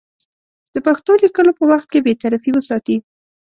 د پېښو لیکلو په وخت کې بېطرفي وساتي.